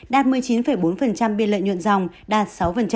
đạt một mươi chín bốn biên lợi nhuận dòng đạt sáu